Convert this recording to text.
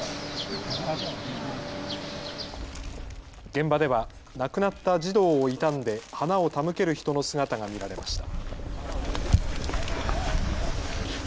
現場では亡くなった児童を悼んで花を手向ける人の姿が見られました。